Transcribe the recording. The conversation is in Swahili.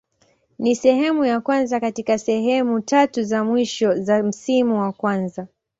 Ni sehemu ya kwanza katika sehemu tatu za mwisho za msimu wa kwanza.